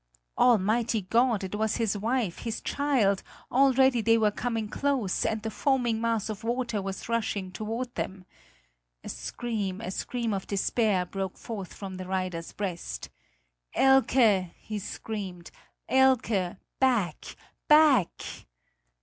Almighty God! It was his wife, his child; already they were coming close, and the foaming mass of water was rushing toward them. A scream, a scream of despair broke forth from the rider's breast: "Elke!" he screamed; "Elke! Back! Back!"